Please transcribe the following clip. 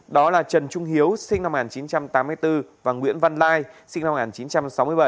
đó là trần trung hiếu sinh năm một nghìn chín trăm tám mươi bốn và nguyễn văn lai sinh năm một nghìn chín trăm sáu mươi bảy